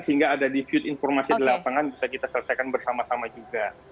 sehingga ada dipute informasi di lapangan bisa kita selesaikan bersama sama juga